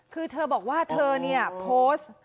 คือเธอบอกว่าเธอเนี่ยโพสต์